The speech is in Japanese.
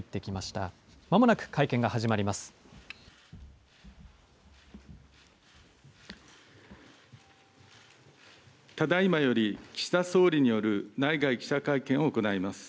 ただいまより岸田総理による内外記者会見を行います。